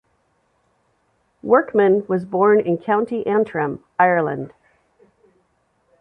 Workman was born in County Antrim, Ireland.